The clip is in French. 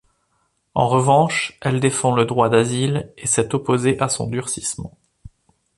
En revanche, elle défend le droit d’asile et s’est opposée à son durcissement.